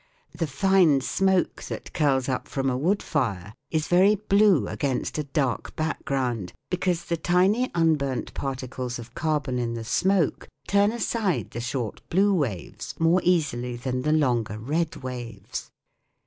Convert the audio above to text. The fine smoke that curls up from a wood fire is very blue against a dark back ground, because the tiny unburnt particles of 126 THE WORLD OF SOUND carbon in the smoke turn aside the short blue waves more easily than the longer red waves.